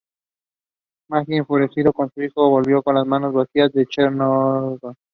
Mijaíl, enfurecido con su hijo, volvió con las manos vacías a Chernígov.